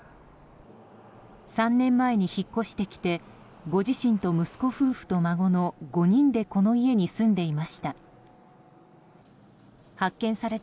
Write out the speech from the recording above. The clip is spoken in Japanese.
３年前に引っ越してきてご自身と息子夫婦と孫の５人でこの家に住んでいました。